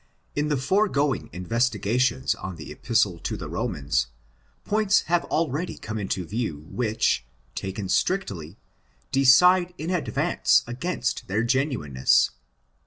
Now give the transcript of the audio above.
In the foregoing investigations on the Epistle to the Romans, points have already come into view which, taken strictly, decide in advance against their genuine ness.